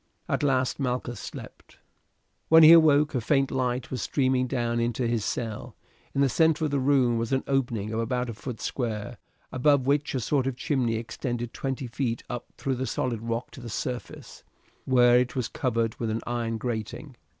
At last Malchus slept. When he awoke a faint light was streaming down into his cell. In the centre of the room was an opening of about a foot square, above which a sort of chimney extended twenty feet up through the solid rock to the surface, where it was covered with an iron grating.